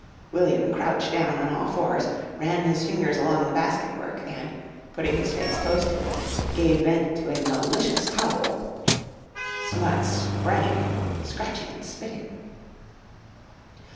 William crouched down on all fours, ran his fingers along the basket work, and, putting his face close to it, gave vent to a malicious howl. Smuts sprang at him, scratching and spitting.